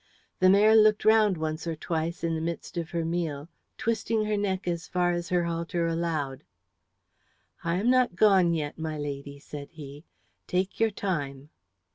The mare looked round once or twice in the midst of her meal, twisting her neck as far as her halter allowed. "I am not gone yet, my lady," said he, "take your time."